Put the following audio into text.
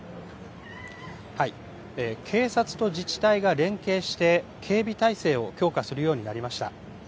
警察と自治体が連携して、警備態勢を強化するようになりました。